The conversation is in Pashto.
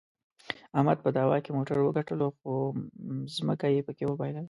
احمد په دعوا کې موټر وګټلو، خو ځمکه یې پکې د وباییلله.